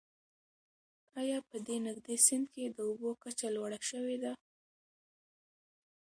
آیا په دې نږدې سیند کې د اوبو کچه لوړه شوې ده؟